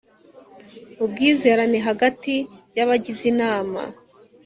ubwizerane hagati y abagize inama